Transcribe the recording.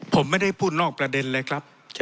ผมไม่ได้พูดนอกประเด็นเลยครับ